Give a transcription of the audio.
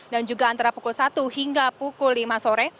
dan juga antara pukul satu hingga pukul lima sore